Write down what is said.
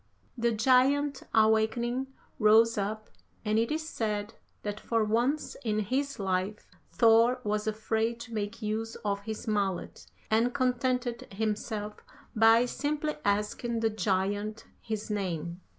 The giant awakening, rose up, and it is said that for once in his life Thor was afraid to make use of his mallet, and contented himself by simply asking the giant his name.